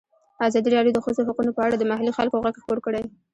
ازادي راډیو د د ښځو حقونه په اړه د محلي خلکو غږ خپور کړی.